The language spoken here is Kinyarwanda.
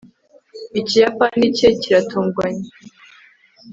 Ikiyapani cye kiratunganye